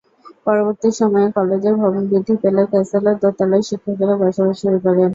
পরবর্তী সময়ে কলেজের ভবন বৃদ্ধি পেলে ক্যাসেলের দোতলায় শিক্ষকেরা বসবাস শুরু করেন।